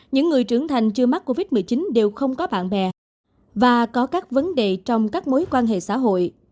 những người trưởng thành chưa mắc covid một mươi chín đều không có bạn bè và có các vấn đề trong các mối quan hệ xã hội